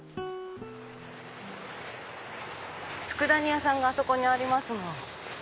つくだ煮屋さんがあそこにありますもん。